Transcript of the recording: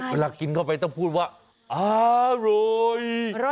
เวลากินเข้าไปต้องพูดว่าอร่อย